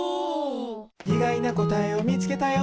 「いがいなこたえをみつけたよ！